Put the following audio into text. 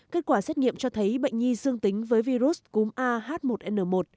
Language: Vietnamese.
kết quả xét nghiệm cho thấy bệnh nhi dương tính với virus cúm a h một n một